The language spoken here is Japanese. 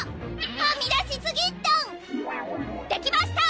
はみ出しすぎっトン！できました！